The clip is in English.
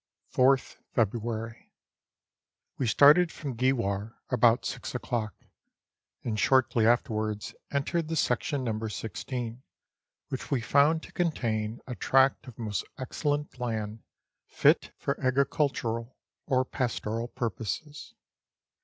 4th February. We started from Geewar about six o'clock, and shortly afterwards entered the section No. 16, which we found to contain a tract of most excellent land, fit for agricultural or pastoral purposes.